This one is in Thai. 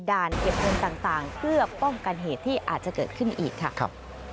เก็บเงินต่างเพื่อป้องกันเหตุที่อาจจะเกิดขึ้นอีกค่ะ